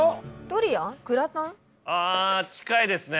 あぁ近いですね。